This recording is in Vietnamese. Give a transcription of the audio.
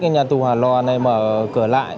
khu hà loa này mở cửa lại